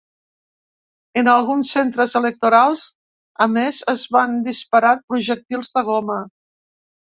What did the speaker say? En alguns centres electorals, a més, es van disparar projectils de goma.